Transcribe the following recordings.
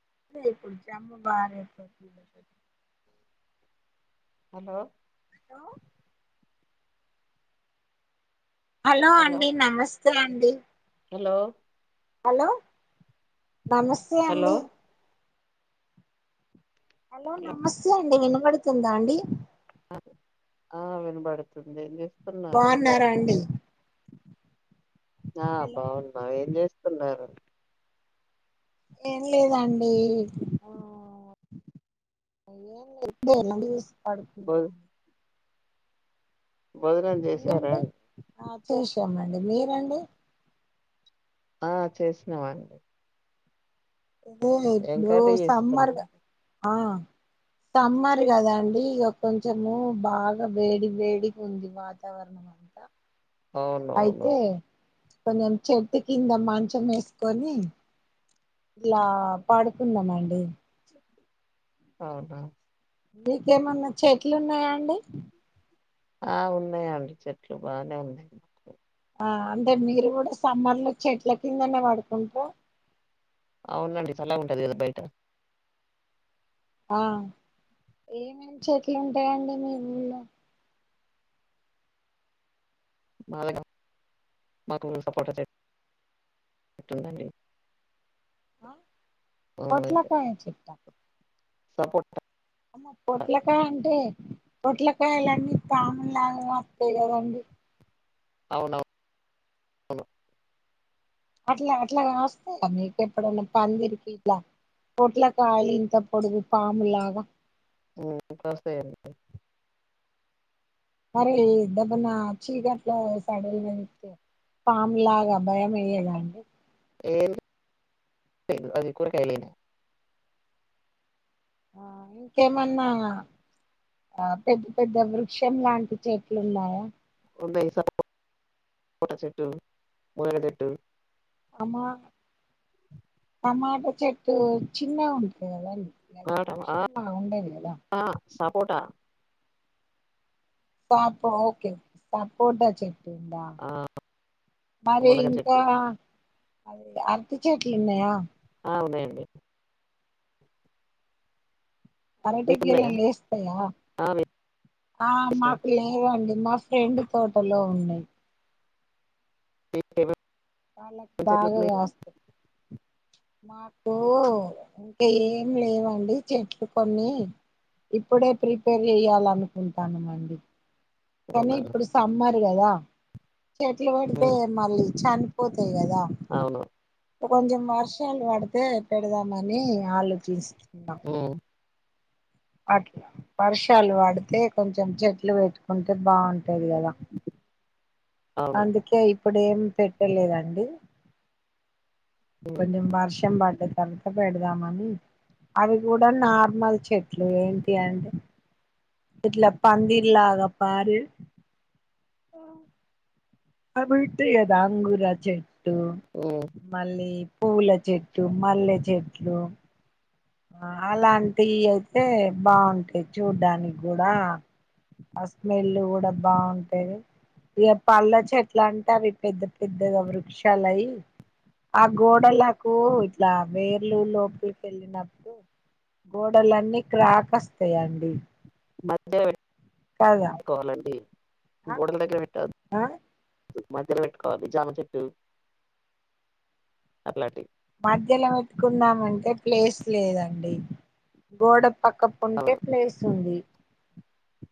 [unintelligible] Hello hello hello అండి నమస్తే అండి హలో హలో నమస్తే హలో అండి హలో నమస్తే అండి వినబడుతుందా అండి ఆ వినబడుతుంది ఏం చే బాగున్నారా అండి ఆ హలో బాగున్నావు ఏం చేస్తున్నారు ఏం లేదండి ఏ ఇప్పుడయూసి పడుతు భో భోజనం చేసారా మీరండి అండి ఆ చేసాం అండి మీరండి ఆ చేసినావాండి ఏదే ఇప్పు సమ్మర్గా చేసుకున్నారు ఆ సమ్మర్ కదండి ఇక కొంచెము బాగా వేడి వేడి ఉంది వాతావరణం అంటా అవునువును కొంచెం చెట్టు కింద మంచం వేసుకొని ఇలా పాడుకుందామ అండి అవునా మీకేమన్నా చెట్లు ఉన్నాయా అండి ఆ ఉన్నాయంండి చెట్లు బాగానే ఉంది ఆ అంటే మీరు కూడా సమ్మర్ లో చెట్ల కిందనే పడుకుంటారు అవునండి చాలా ఉంటది కదా బయట ఆ ఏమమి చెట్లు ఉంటాయంండి మీ [unintelligible] [unintelligible] పట్లాకాయ చెట్టా సపోర్ట్ అమ్మ పొట్లకా అంటే పొట్లకాయలన్నీ ప్రాణంలాగా అత్తే కదండి అవునవును అవును అట్లా అట్లా వస్తాయా మీకెప్పుడైనా పందిరికి ఇలా పొట్ల కాయ. ఇంత పొడుగు పాములాగా [unintelligible] మరి ఆమె అన చీకటిలో పాము భయం వేయధ అండి ఏ అది కూర కలి ఆ ఇంకేమన్నా ఆ పెద్ద పెద్ద వృక్షం లాంటి చెట్లు ఉన్నాయా బైసా పడట్టు ముడ తట్టు అమా టమాటా చెట్టు చిన్న ఉంటది కదా ఆ అే టమా ఆ వృక్షంగా ఉండదిద ఆ సపోటా సాపో ఓకేపోంట ఆ మరి మునగ ఇంకా చెట్లు అదే అర్థ చట్లేన్నయ అవునయండి పరటి మీకున్నాయా గరలు లే వస్తాయా ఆ ఆ వేసినాయి మాకు లేదండి మా ఫ్రెండ్ తోటలో ఉండే మీకేమేం వాళ్ళకు చెట్లు బాగాగా ఉన్నాయి వస్తా మాకు ఇంకా ఏం లేవండి చెట్లు కొన్ని ఇప్పుడే ప్రిపేర్ చెయ్యాలనుకుంటాను అండి కానీ అవునా ఇప్పుడు సమ్మర్ కదా చెట్లు పెడితే ఉమ్ మళ్ళీ చనిపో అవును కొంచెం వర్షాలు పడితే పెడదామని ఆలోచిస్తున్నాం ఉమ్ అట్లా వర్షాలు వాడితే కొంచెం చెట్లు పెట్టుకుంటే బాగుంటది కదా అవునండి అందుకే ఇప్పుడు ఏం పెట్టలేదండి ఉమ్ కొంచెం వర్షం బటే తర్వాత పెడదామని అవి కూడా నార్మల్ చెట్లు ఏంటి అంటే ఇట్లా పందిలాగా పారు అబట అద అంగూర చెట్టు ఉమ్ మళ్ళీ పూల చెట్టు మల్లె చెట్లు ఆ అలాంటివి అయితే బాగుంటాయి చూడ్డానికి కూడా ఆ స్మెల్ కూడా బాగుంటాది ఇక పల్ల చెట్ల అంటే అవి పెద్ద పెద్దగా వృక్షాలవి ఆ గోడలకు ఇట్లా వేర్లు లోపలిక వెళ్ళినప్పుడు గోడలన్నీ క్రాకస్తాయండి మధ్యవాలండి గూడ విట్ట ఆ మాధెట్టు కవాలే జన చెట్టు అట్లాంటి మధ్యలో పెట్టుకుందమంటే ప్లేస్ లేదండి గోడ పక్క ప ఆ ఉంటే ప్లేస్ ఉంది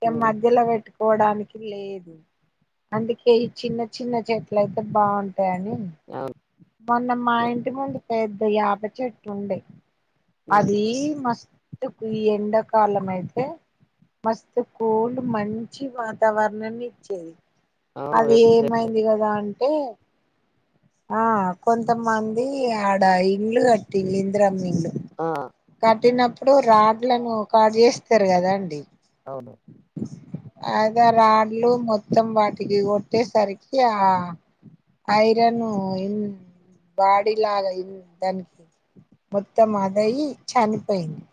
ఏ ఉమ్ మధ్యలో పెట్కు పోడానికి లేదు అందుకే ఈ చిన్న చిన్న చెట్లు అయితే బాగుంటు అే అని అవును మొన్న మా ఇంటి ముందు పెద్ద యాప చెట్టు ఉండే ఉమ్ అది మస్తుకు ఈ ఎండాకాలం అయితే మస్తు కోల్డ్ మంచి వాతావరణాన్ని ఇచ్చేది అవును అది వేప చెట్లు ఏమైంది కదా అంటే ఆ కొంతమంది ఆడ ఇంలు కట్ ిలింద్రమిలు ఆ కట్టినప్పుడు రాడ్లను కాట్ చేేస్తారు కదా అండి అవును అదే రాడ్లు మొత్తం వాటికి కొట్టేసరికి ఆ ఐరన్ ఇన్ బాడీ లాగా ఇన్ దానికి మొత్తం మాదయి చనిపోయింది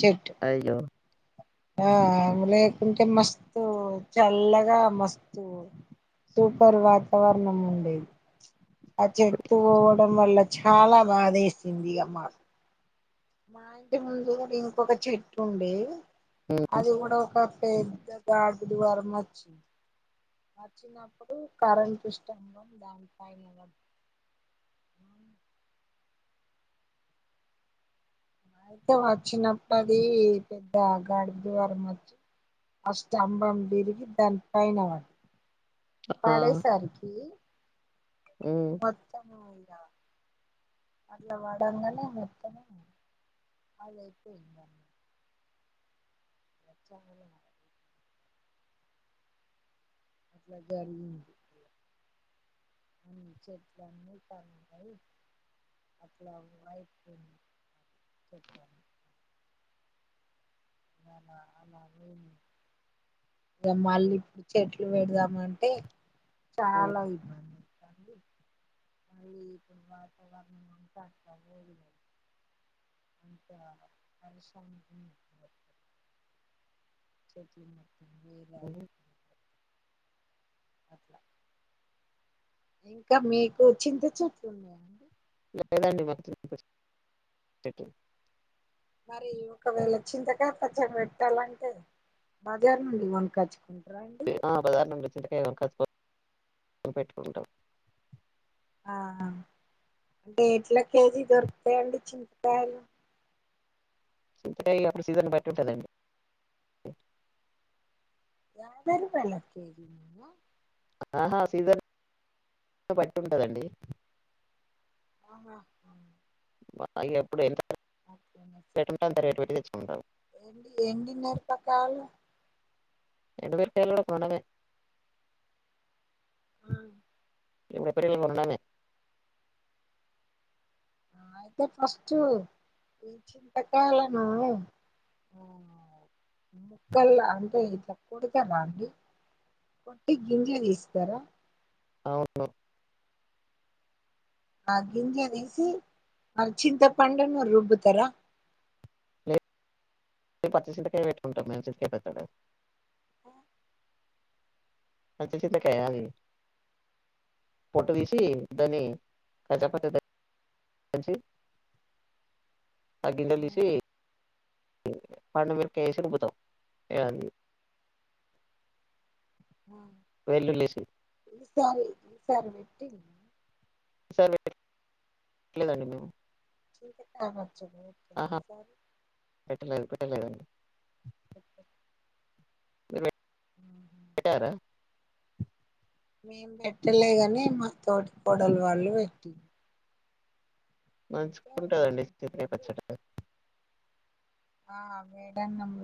చెట్టు అయ్యో ఆ లేకుంటే మస్తు చల్లగా మస్తు సూపర్ వాతావరణం ఉండేది ఆ చెట్టు పోవడం వల్ల చాలా బాధేసింది మాకు మా ఇంటి ముందు ఇంకొక చెట్లు ఉండే ఉమ్ అది కూడా ఒక పెద్ద బావ్ద్వారం వచ్చింది వచ్చినప్పుడు కరెంటు స్తంభం దానిపైన పడ్డది అవు అయితే వచ్చిన పడి పెద్ద గాడుపు ద్వారం వచ్చి అష్టంభం విరిగి దాని పైన పడ్డది ఆ పడేసరికి ఉమ్ మొత్తం మీద అట్లా వడంగనే మొత్తము అది అయిపోయింద వచ్చామన్న [unintelligible] అట్ల జరిగింది చెట్లన్నీ పడినాయి అట్లా వయిపు ఉన్నాయి చెట్లు అన్ని నా అ ఇగ మళ్ళీ ఇప్పుడు చెట్లు పెడదా మంటే ఉమ్ చాలా ఇబ్బంది అండి మళ్లీ ఇక మాకు మాకు ఉంటాంది [unintelligible] అంతే ఆమె పరిశ్రమది అదే చెట్లు మొత్తం క్లినే ఉమ్ అయిపోయాయి అట్లా ఇంకా మీకు చింత చెట్లు ఉన్నాయండి లేదండి మాకు చింత చెట్లు మరి ఒకవేళ చింతకాయ పచ్చడ పెట్టాలంటే మద్దుల నుండి కొనుకోచుకున్న ఆ బజార్ నుండి చింతకాయ కొనుకొచ్చుకొని పెట్టుకుంటాం ఆ ఆ అంటే ఎట్ల కేజీ దొరుకుతాయిండి చింతకాయలు చింతకాయ అప్పుడు సీజన్ బట్టి ఉంటది అండి దాదరి పల్లకి మేము ఆహా సీజన్ జన్ బట్టి ఉంటదండి ఆహా వాటా ఇగ ఎప్పుడు ఎంత ఓకే రేట్ నోచ్చింది ఉంటే అంత రేట్ పెట్టి తెచ్చుకుంటాం. ఏం తిన్నారు పక్క వాళ్ళు ఎటు వెళ్లి పోయిఇల్లు మొన్ననే ఆ, ఇప్పుడు ఎప్పటి ఏల్లు మొన్ననే ఆ అయితే ఫస్ట్ ఈ చింతకాయలను ముక్కల అంటే ఇట్లా కొడుతారండి కొట్టి గింజా తీస్తారా అవును ఆ గింజ తీసి ఆ చింతపండును రుబ్బుతారా లేదు మేము పచ్చి చింతకాయ పెట్టుకుంటాం మేము చింతకాయ పచ్చడ ఆ! పచ్చి చింతకాయ అండి పొట్టు తీసి దాన్ని కచ్చ పిచ్చ దంచి దంచి ఆ గింజలు తీసి పండు మిరపకాయ వేసి రుబ్బుతాం ఇగ అది ఆ! వెల్లుల్లి ఏసి ఈసారి ఈసారి పెట్టి సర్లే పెట్టలేదండి మేము చింతకాయ పచ్చడి పెట్టేలా ఈసారి పెలేదండి ఓే టారా మేం పెట్టలేగాని మా తోటి కోడలు వాళ్ళు పెట్టి మంచుకుంటుదండి మొన్నటి రోజు స్థితిరేపచ్చట ఆ మేడం నమ్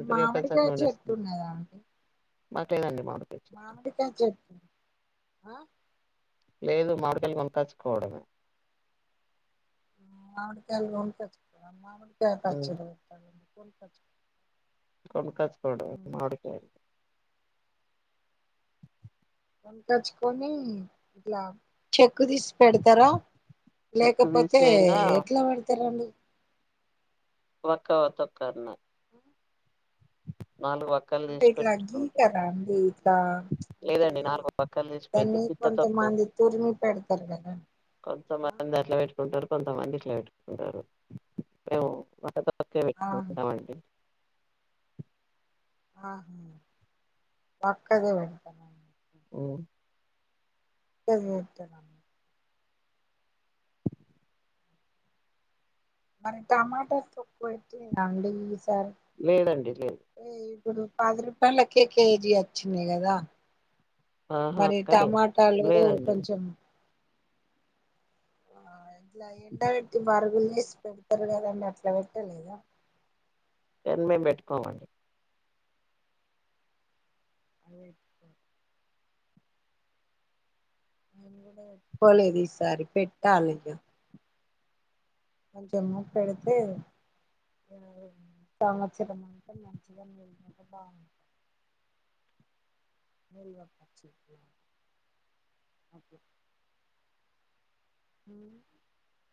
ఇగా పెద్ద చెట్టు చార్స్తుంది బట్లేదండి మా మా క చే లేదు మామిడి పాలు కొన తచ్చుకోవడమే మాడికాయచ్చకాచ్చ ఉమ్, ం కత్కో నక మ కజకునే ఇలా చె ఉక్కు తీసి పెడతారా చెక్కు తీసి లేకపోతే అయినా ఎట్లా పెడతారా అండి ఒకక్కవత కణ తీసి అంటేట్లాగ క పెట్టుకుంటారు అ అంటే లేదండి నాలుగు వక్కలు తీసి పెద్ద దనీ పిక్క కొంతమంది తురిమి పెడతారు కదా కొంచంతమంది ఆహా అట్లా పెట్టు ారు కొంతమంది ఇట్లా పెట్టుకుంటారు మేము పెట్టుకుంటామండి ఆా వాక్కద వె అఓ జరుద్ద మరి టమాటర్ తక్కువ పెట్టిందండి లేదండి లేదు ఇప్పుడు పది రూపాయలకే కేజీ వచ్చినయి కదా ఆహా మరి కానీ టమాటాలు లేదండి కొంచెం ఆ ఇట్లా ఎంండ పెట్టి మారుగులు చేసి పెడతారు కదంీ అట్లా పెట్టలేదా ఎర్ మే పెట్టుకోమండి అదే ఎ ఎపోలేదు ఈసారి పెట్టాాలయ కొంచంచ మూకు ఎడుతే చామచితమ మంచిగా బ మ వా పచ్చకే హ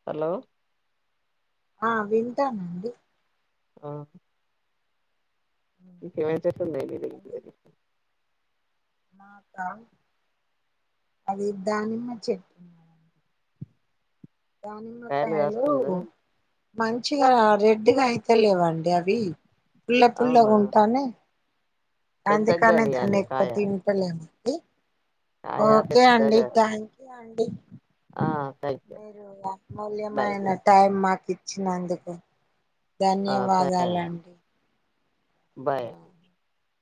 హలో ఆ వింటానండి ఆ ఇమ చెస్తున్నా అదే మాకా అది దానిమ్మ చెప్ప దనీట్ట కాయలు హలో కాస్తుందా మంచిగా రెడ్గా అయితే లేవండి అవి పుల్ల పుల్లగా అవునా ఉంటానే అంది పెద్దగా కానీ కానియ్యాలే అనేక కొ కాయ త పల ఆయా ఓకే అండి పెద్దగా థ్యాంక్ యూ అండి ఆ థ్యాంక్ యూ మీరు బాయ్ మూల్యమానా టైమ్ మాకి వచ్చినందుకు ఆ థ్యా ధన్యవాదాలండి బాయ్